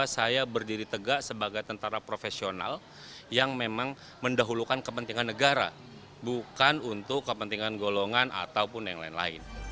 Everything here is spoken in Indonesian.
saya berdiri tegak sebagai tentara profesional yang memang mendahulukan kepentingan negara bukan untuk kepentingan golongan ataupun yang lain lain